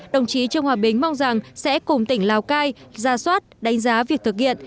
đồng chí trương hòa bình mong rằng sẽ cùng tỉnh lào cai ra soát đánh giá việc thực hiện